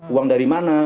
uang dari mana